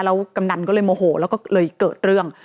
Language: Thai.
แล้วกำนันก็เลยโมโหแล้วก็เลยเกิดเรื่อง